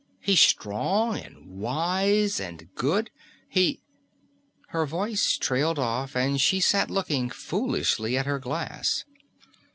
He's strong and wise and good. He " Her voice trailed off and she sat looking foolishly at her glass.